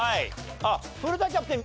古田キャプテン